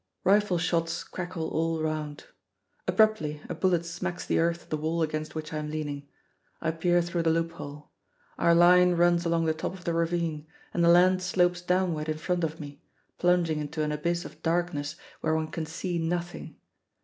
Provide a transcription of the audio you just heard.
Rifle shots crackle all round. Abruptly a bullet smacks the earth of the wall against which I am leaning. I peer through the loophole. Our line runs along the top of the ravine, and the land slopes downward in front of me, plunging into an abyss of darkness where one can see nothing.